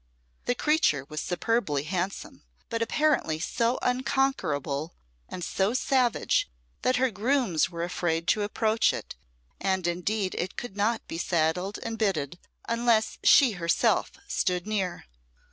The creature was superbly handsome, but apparently so unconquerable and so savage that her grooms were afraid to approach it, and indeed it could not be saddled and bitted unless she herself stood near.